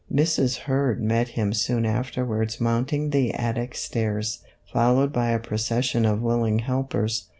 Mrs. Hurd met him soon afterwards mounting the attic stairs, followed by a procession of willing helpers.